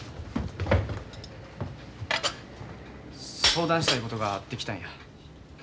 相談したいことがあって来たんや。